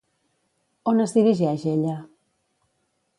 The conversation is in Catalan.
On es dirigeix ella?